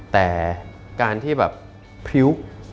แต่การที่แบบพริ้ว